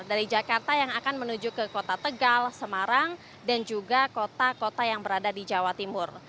dari jakarta yang akan menuju ke kota tegal semarang dan juga kota kota yang berada di jawa timur